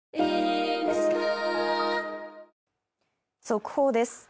速報です。